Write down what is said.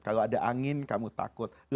kalau ada angin kamu takut